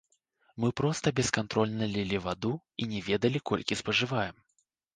Мы проста бескантрольна лілі ваду і не ведалі, колькі спажываем.